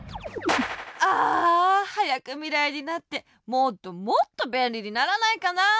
あはやくみらいになってもっともっとべんりにならないかな。